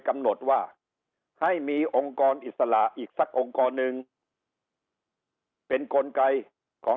กำหนดว่าให้มีองค์กรอิสระอีกสักองค์กรหนึ่งเป็นกลไกของ